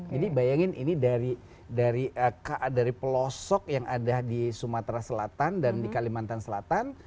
jadi bayangin ini dari pelosok yang ada di sumatera selatan dan di kalimantan selatan